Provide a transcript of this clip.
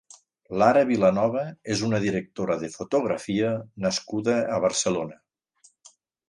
Lara Vilanova és una directora de fotografia nascuda a Barcelona.